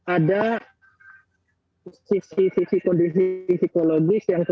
ada sisi sisi kondisi psikologis yang kemudian membuat masyarakat belum berani memilih yang itu